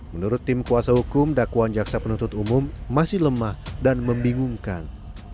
menurut tim kuasa hukum dakwaan jaksa penuntut umum masih lemah dan membingungkan